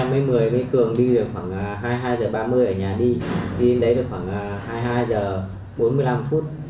mới cường đi được khoảng hai mươi hai h ba mươi ở nhà đi đi đến đấy được khoảng hai mươi hai h bốn mươi năm phút